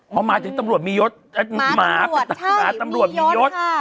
อ๋อหมายถึงตำรวจมียศหมาตำรวจมียศใช่มียศค่ะ